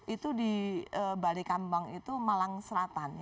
itu di bali kambang itu malang selatan